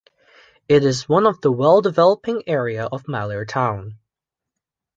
It is one of the well developing area of Malir Town.